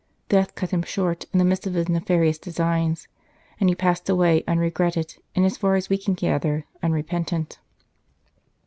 Death cut him short in the midst of his nefarious designs, and he passed away unregretted, and as far as we can gather unrepentant.